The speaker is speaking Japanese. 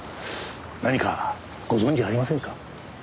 何かご存じありませんか？